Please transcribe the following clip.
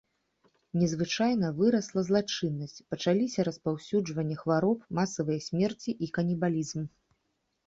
Незвычайна вырасла злачыннасць, пачаліся распаўсюджванне хвароб, масавыя смерці і канібалізм.